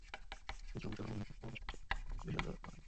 তিনি শ্রমিকদের অপমানসূচক "কুলি" শব্দ ব্যবহারে আপত্তি করেন।